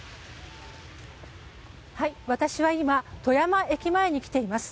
私は今富山駅前に来ています。